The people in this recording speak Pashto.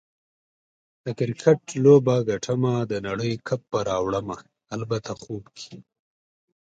د کرکټ لوبه ګټمه، د نړۍ کپ به راوړمه - البته خوب کې